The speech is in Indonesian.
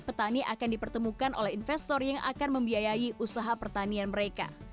petani akan dipertemukan oleh investor yang akan membiayai usaha pertanian mereka